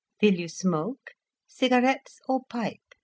"Will you smoke?—cigarettes or pipe?"